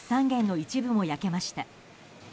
３軒の一部も焼けました。